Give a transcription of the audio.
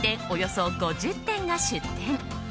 およそ５０店が出店。